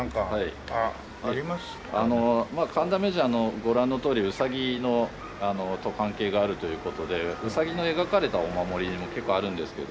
ご覧のとおりウサギと関係があるという事でウサギの描かれたお守りも結構あるんですけども。